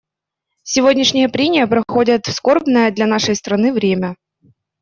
Сегодняшние прения проходят в скорбное для нашей страны время.